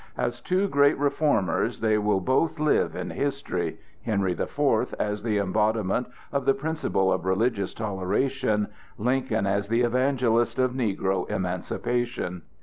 As two great reformers they will both live in history,—Henry the Fourth, as the embodiment of the principle of religious toleration, Lincoln as the evangelist of negro emancipation.